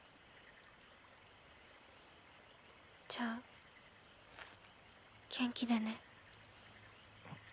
じゃあ元気でね。